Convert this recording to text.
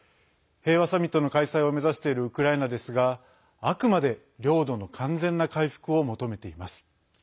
平和サミットの開催を目指しているウクライナですがあくまで、領土の完全な回復を求めています。